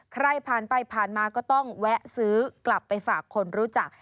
ใครผ่านไปผ่านมาก็ต้องแวะซื้อกลับไปฝากคนรู้จัก